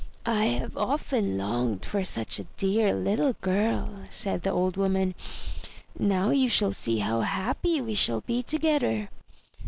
"I have often longed for such a dear little girl,*' said the old Woman. "Now you shall see how happy we shall be together."